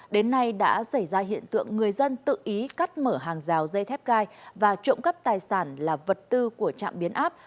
đến nay đã xảy ra hiện tượng người dân tự ý cắt mở hàng rào dây thép gai và trộm cắp tài sản là vật tư của trạm biến áp